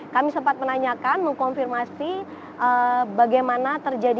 kami sempat menanyakan mengkonfirmasi bagaimana terjadi